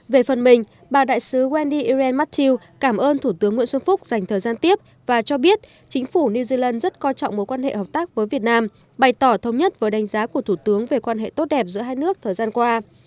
về phần mình bà đại sứ wendy iren matthew cảm ơn thủ tướng nguyễn xuân phúc dành thời gian tiếp và cho biết chính phủ new zealand rất coi trọng mối quan hệ hợp tác với việt nam bày tỏ thống nhất với đánh giá của thủ tướng về quan hệ tốt đẹp giữa hai nước thời gian qua